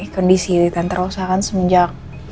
kondisi tante rausa kan semenjak